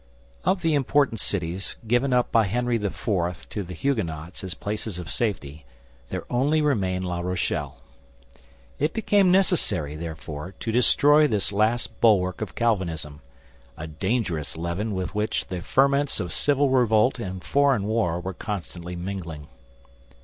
Of the important cities given up by Henry IV. to the Huguenots as places of safety, there only remained La Rochelle. It became necessary, therefore, to destroy this last bulwark of Calvinism—a dangerous leaven with which the ferments of civil revolt and foreign war were constantly mingling.